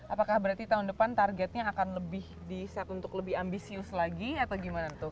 apakah berarti tahun depan targetnya akan lebih di set untuk lebih ambisius lagi atau gimana tuh